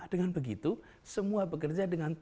dengan begitu semua bekerja dengan baik